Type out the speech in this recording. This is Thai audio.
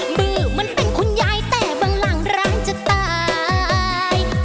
บื้อเหมือนเป็นคุณยายแต่บังล่างร้านจะตาย